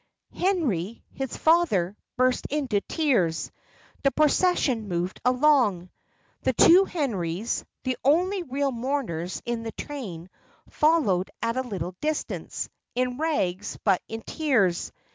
Henry, his father, burst into tears. The procession moved along. The two Henrys, the only real mourners in the train, followed at a little distance in rags, but in tears.